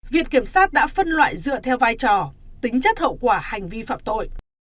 viện kiểm sát đã phân loại dựa theo vai trò tính chất hậu quả hành vi phạm tội